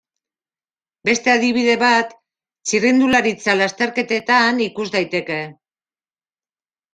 Beste adibide bat txirrindularitza lasterketetan ikus daiteke.